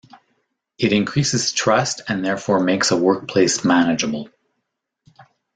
It increases trust and therefore makes a workplace manageable.